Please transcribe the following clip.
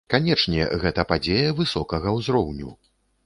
Канечне, гэта падзея высокага ўзроўню.